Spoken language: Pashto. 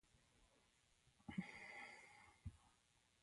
کچالو د ځینو خلکو یوازینی خواړه دي